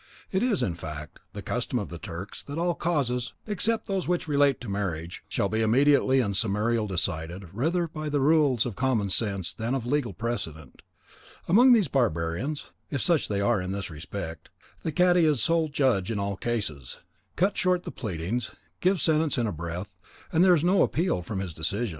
It is, in fact, the custom of the Turks that all causes, except those which relate to marriage, shall be immediately and summarily decided, rather by the rules of common sense than of legal precedent; and among these barbarians (if such they are in this respect) the cadi is the sole judge in all cases, cuts short the pleadings, gives sentence in a breath, and there is no appeal from his decision.